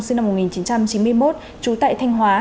sinh năm một nghìn chín trăm chín mươi một trú tại thanh hóa